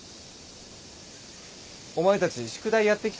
お前たち宿題やってきたのか？